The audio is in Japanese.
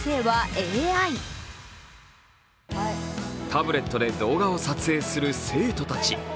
タブレットで動画を撮影する生徒たち。